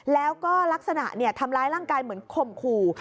แล้วก็ลักษณะทำร้ายร่างกายเหมือนข่มขู่